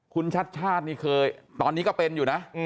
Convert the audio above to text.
คุณชัดชาตินี่เคยตอนนี้ก็เป็นอยู่นะ